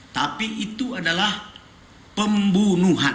tapi itu adalah pembunuhan